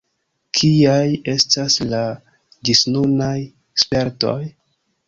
Kiaj estas la ĝisnunaj spertoj?